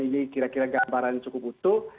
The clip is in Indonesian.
ini kira kira gambaran yang cukup utuh